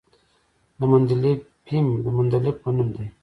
د مندلیفیم د مندلیف په نوم دی.